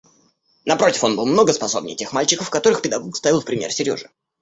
Напротив, он был много способнее тех мальчиков, которых педагог ставил в пример Сереже.